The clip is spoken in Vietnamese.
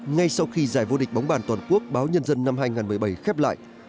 ngay sau khi giải vô địch bóng bàn toàn quốc báo nhân dân năm hai nghìn một mươi bảy khép lại